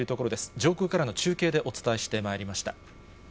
上空からの中継でお伝えしてまいりました。